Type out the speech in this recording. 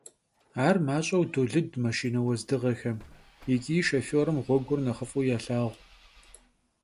Ar maş'eu dolıd maşşine vuezdığexem yiç'i şşofêrım ğuegur nexhıf'u yêlhağu.